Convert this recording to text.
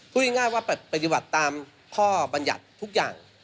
พูดง่ายว่าปฏิบัติตามข้อบรรยัติทุกอย่าง